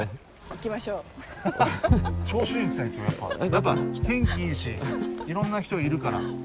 やっぱ天気いいしいろんな人いるから。